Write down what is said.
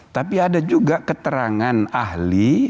tapi ada juga keterangan ahli